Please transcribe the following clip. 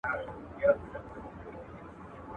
چي کله به یو وخت